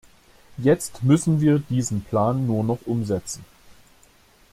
Jetzt müssen wir diesen Plan nur noch umsetzen.